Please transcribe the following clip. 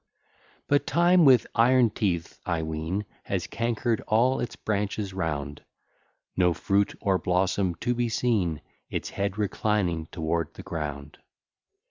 ) But time with iron teeth, I ween, Has canker'd all its branches round; No fruit or blossom to be seen, Its head reclining toward the ground.